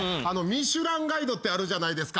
『ミシュランガイド』ってあるじゃないですか。